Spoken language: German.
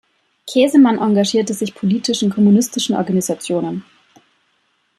Käsemann engagierte sich politisch in kommunistischen Organisationen.